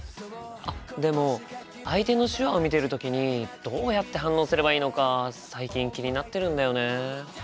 あっでも相手の手話を見てる時にどうやって反応すればいいのか最近気になってるんだよね。